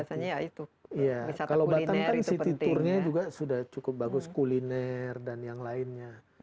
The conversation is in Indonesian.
biasanya ya itu wisata kuliner itu penting kalau batam kan city tournya juga sudah cukup bagus kuliner dan yang lainnya